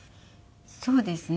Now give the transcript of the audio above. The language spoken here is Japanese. そうですね。